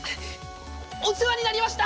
お世話になりました！